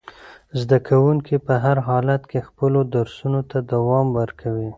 زده کوونکي په هر حالت کې خپلو درسونو ته دوام ورکوي.